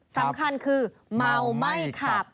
สำคัญคือเมาไม่ขับ